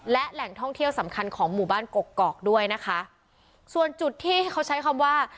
และแหล่งท่องเที่ยวสำคัญของหมู่บ้านกกอกด้วยนะคะส่วนจุดที่เขาใช้คำว่า